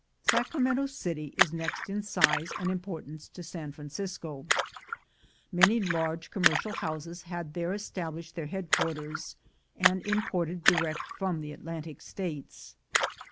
Sacramento City is next in size and importance to San Francisco. Many large commercial houses had there established their headquarters, and imported direct from the Atlantic States.